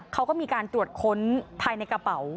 เขาก็มีการตรวจค้นภายในกระเป๋า